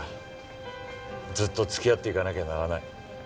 ずっと付き合っていかなきゃならない。